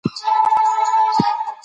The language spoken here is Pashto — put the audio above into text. دا ناول لومړی په برازیل کې چاپ شو.